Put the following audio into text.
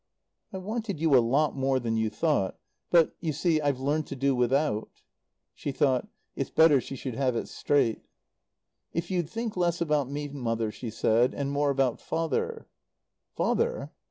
"I wanted you a lot more than you thought. But, you see, I've learned to do without." She thought: "It's better she should have it straight." "If you'd think less about me, Mother," she said, "and more about Father " "Father?"